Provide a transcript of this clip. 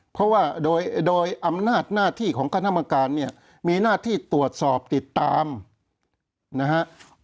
เพราะว่าโดยอำนาจหน้าที่ของคณะกรรมการเนี่ยมีหน้าที่ตรวจสอบติดตามนะฮะ